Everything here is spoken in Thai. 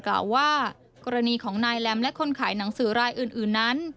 กล่าวว่ากรณีของนายแรมและคนขายหนังสือรายอื่นนั้น